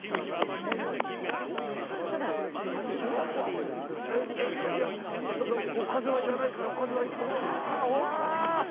うわっうわっえっいやそんなおかずはいらないからおかずはうわうわ！